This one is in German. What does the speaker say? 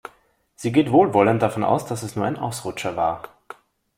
Sie geht wohlwollend davon aus, dass es nur ein Ausrutscher war.